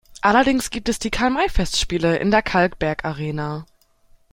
Allerdings gibt es die Karl-May-Festspiele in der Kalkbergarena.